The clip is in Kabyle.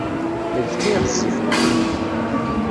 D kečč ay ɣezzifen akk.